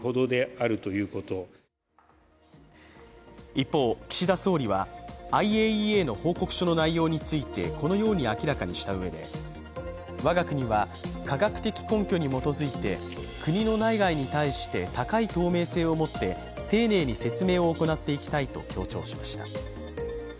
一方、岸田総理はＩＡＥＡの報告書の内容について、このように明らかにしたうえで我が国は科学的根拠に基づいて国の内外に対して高い透明性を持って丁寧に説明を行っていきたいと強調しました。